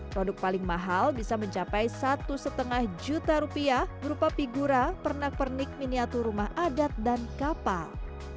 produk paling mahal bisa mencapai satu lima juta rupiah berupa figura pernak pernik miniatur rumah adat dan kapal